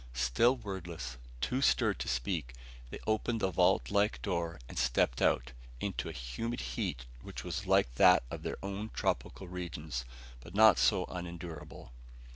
Still wordless, too stirred to speak, they opened the vault like door and stepped out into a humid heat which was like that of their own tropical regions, but not so unendurable.